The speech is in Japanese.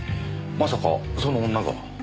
まさかその女が？